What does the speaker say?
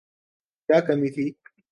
کیا کمی تھی۔